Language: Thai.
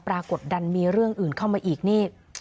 กดดันมีเรื่องอื่นเข้ามาอีกนี่